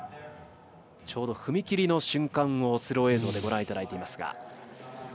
ちょうど踏み切りの瞬間をスロー映像でご覧いただきました。